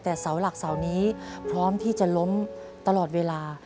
แต่เสาหลักเสานี้พร้อมที่จะล้มตลอดเวลา